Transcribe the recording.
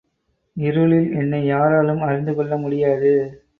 இருளில் என்னை யாராலும் அறிந்து கொள்ள முடியாது.